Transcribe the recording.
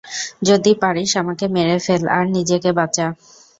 যদি পারিস আমাকে মেরে ফেল, আর নিজেকে বাঁচা।